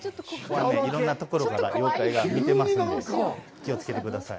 いろんなところから妖怪が見てますんで、気をつけてください。